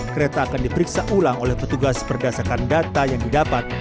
kereta akan diperiksa ulang oleh petugas berdasarkan data yang didapat